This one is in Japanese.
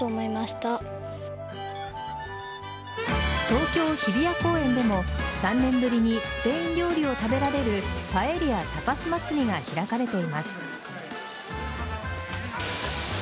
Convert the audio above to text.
東京・日比谷公園でも３年ぶりにスペイン料理を食べられるパエリア・タパス祭りが開かれています。